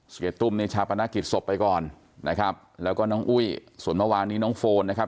เสียตุ้มในชาปนกิจศพไปก่อนนะครับแล้วก็น้องอุ้ยส่วนเมื่อวานนี้น้องโฟนนะครับ